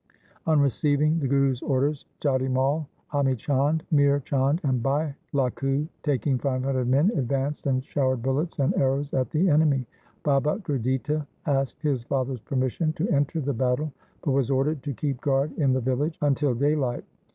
On receiving the Guru's orders, Jati Mai, Ami Chand, Mihr Chand, and Bhai Lakhu, taking five hundred men, advanced and showered bullets and arrows at the enemy. Baba Gurditta asked his father's permission to enter the battle, but was ordered to keep guard in the village until daylight.